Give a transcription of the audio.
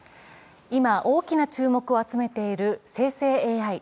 今、大きな注目を集めている生成ＡＩ。